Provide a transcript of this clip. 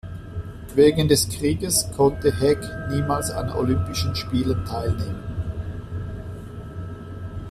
Wegen des Krieges konnte Hägg niemals an Olympischen Spielen teilnehmen.